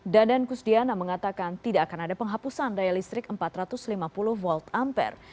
dadan kusdiana mengatakan tidak akan ada penghapusan daya listrik empat ratus lima puluh volt ampere